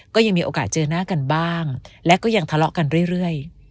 ก็ยังมีโอกาสเจอหน้ากันบ้างและก็ยังทะเลาะกันเรื่อย